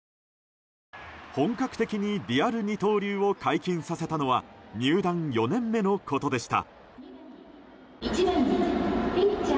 本格的にリアル二刀流を解禁させたのは入団４年目のことでした。